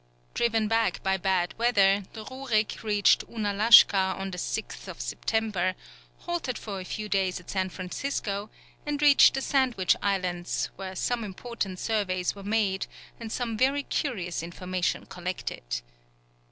Driven back by bad weather, the Rurik reached Ounalashka on the 6th September, halted for a few days at San Francisco, and reached the Sandwich Islands, where some important surveys were made and some very curious information collected.